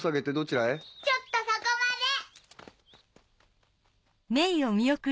ちょっとそこまで。